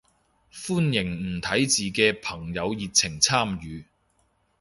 歡迎唔睇字嘅朋友熱情參與